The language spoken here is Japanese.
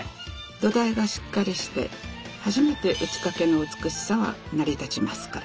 土台がしっかりして初めて打掛の美しさは成り立ちますから。